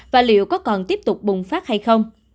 và liệu có còn tiếp tục bùng phát hay không